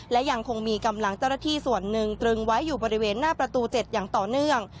และยังคงมีกำลังเจ้าหน้าที่ส่วนหนึ่งตรึงไว้อยู่บริเวณหน้าประตู๗อย่างต่อเนื่อง